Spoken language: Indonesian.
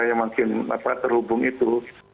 yang terhubung itu